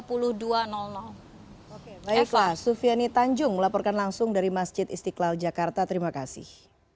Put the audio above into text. baiklah sufiani tanjung melaporkan langsung dari masjid istiqlal jakarta terima kasih